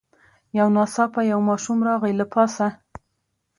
یو ناڅاپه یو ماشوم راغی له پاسه